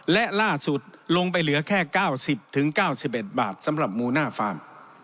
และล่าสุดลงไปเหลือแค่๙๐๙๑บาทสำหรับหมูหน้าฟาร์ม